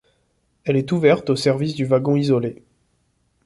Elle est ouverte au service du wagon isolé.